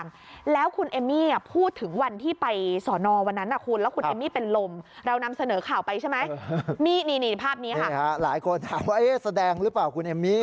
หลายคนถามว่าแอ้แสดงหรือเปล่าคุณเอมมี่